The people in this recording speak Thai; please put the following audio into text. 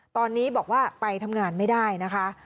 ตอนนี้บอกว่าไปทำงานไม่ได้นะคะ